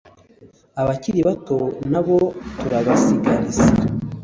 Abakiri bato ntabo tubasigasire